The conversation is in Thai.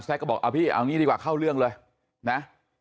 ก็บอกเอาพี่เอางี้ดีกว่าเข้าเรื่องเลยนะ